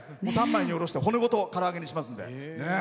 ３枚におろして骨ごとから揚げにしますので。